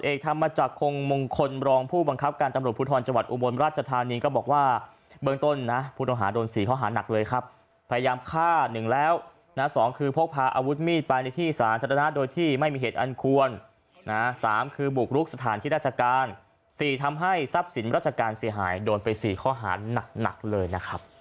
ที่ทำมาจากคงมงคลรองผู้บังคับการตำรวจพุทธรณ์จังหวัดอุโมนราชธานีก็บอกว่าเบื้องต้นนะพูดต้องหาโดนสี่ข้อหารหนักเลยครับพยายามฆ่าหนึ่งแล้วนะสองคือพกพาอาวุธมีดไปในที่สหรัฐโดยที่ไม่มีเหตุอันควรนะสามคือบุกลุกสถานที่ราชการสี่ทำให้ทรัพย์สินราชการเสียหายโดนไปสี่ข้อหารหน